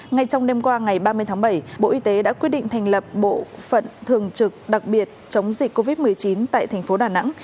ngay trong đêm qua ngày ba mươi tháng bảy bộ y tế đã quyết định thành lập bộ phận thường trực đặc biệt chống dịch covid một mươi chín tại thành phố đà nẵng